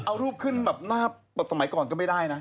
เอารูปขึ้นแบบหน้าแบบสมัยก่อนก็ไม่ได้นะ